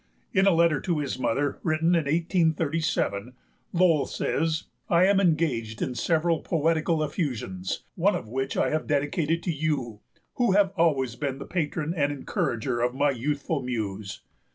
In a letter to his mother, written in 1837, Lowell says: "I am engaged in several poetical effusions, one of which I have dedicated to you, who have always been the patron and encourager of my youthful muse."